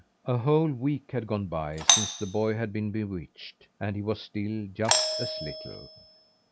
A whole week had gone by since the boy had been bewitched, and he was still just as little.